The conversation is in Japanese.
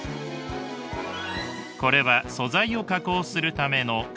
これは素材を加工するための金型。